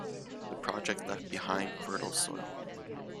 The project left behind fertile soil.